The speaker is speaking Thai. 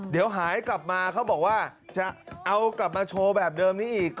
เดี๋ยวหายกลับมาเขาบอกว่าจะเอากลับมาโชว์แบบเดิมนี้อีก